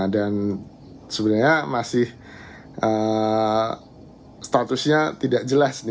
dan sebenarnya masih statusnya tidak jelas